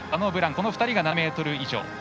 この２人が７ｍ以上。